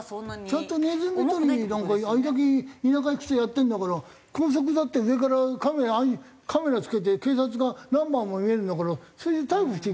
ちゃんとネズミ捕りなんかあれだけ田舎へ行くとやってんだから高速だって上からカメラ付けて警察がナンバーも見えるんだからそれで逮捕して